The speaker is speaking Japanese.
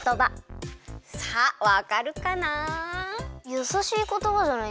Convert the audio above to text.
やさしいことばじゃないですか？